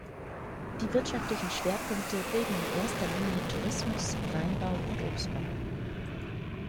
Die wirtschaftlichen Schwerpunkte bilden in erster Linie Tourismus, Weinbau und Obstbau.